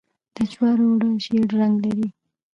د جوارو اوړه ژیړ رنګ لري.